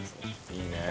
いいよね。